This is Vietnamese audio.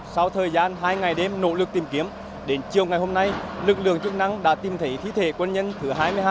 sau thời gian hai ngày đêm nỗ lực tìm kiếm đến chiều ngày hôm nay lực lượng chức năng đã tìm thấy thi thể quân nhân thứ hai mươi hai